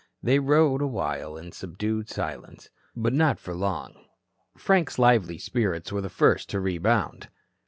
They rode awhile in subdued silence. But not for long. Frank's lively spirits were the first to rebound.